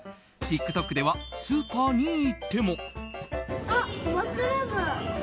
ＴｉｋＴｏｋではスーパーに行っても。